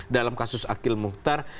dalam kasus akhil mukhtar